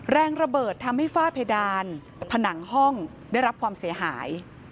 แรงระเบิดทำให้ฝ้าเพดานผนังห้องได้รับความเสียหาย